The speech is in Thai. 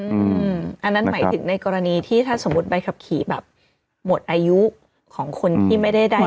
อันนั้นหมายถึงในกรณีที่ถ้าสมมุติใบขับขี่แบบหมดอายุของคนที่ไม่ได้ใด